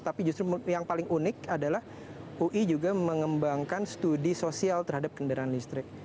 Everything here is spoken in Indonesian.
tapi justru yang paling unik adalah ui juga mengembangkan studi sosial terhadap kendaraan listrik